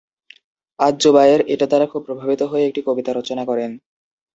আয-জুবায়ের এটা দ্বারা খুব প্রভাবিত হয়ে একটি কবিতা রচনা করেন।